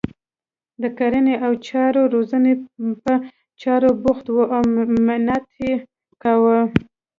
د کرنې او څاروي روزنې په چارو بوخت وو او محنت یې کاوه.